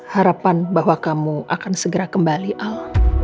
harapan bahwa kamu akan segera kembali al